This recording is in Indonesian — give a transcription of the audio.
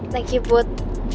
thank you put